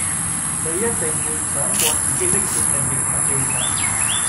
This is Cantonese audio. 你一定沒想過自己的決定影響了我